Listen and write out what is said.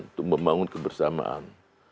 untuk membangun kebersamaan